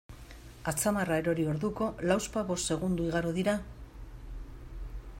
Atzamarra erori orduko, lauzpabost segundo igaro dira?